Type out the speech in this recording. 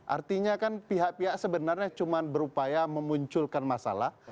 artinya kan pihak pihak sebenarnya cuma berupaya memunculkan masalah